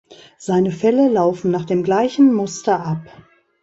Seine Fälle laufen nach dem gleichen Muster ab.